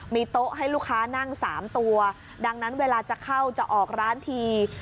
มีโต๊ะให้ลูกค้านั่ง๓ตัวดังนั้นเวลาจะเข้าจะออกร้านที